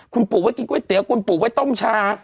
คุณปลูกไว้กินก๋วยเตี๋ยวคุณปลูกไว้ต้มชา